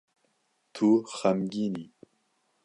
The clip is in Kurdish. Tu xemgîn î.